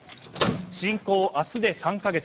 侵攻、明日で３か月。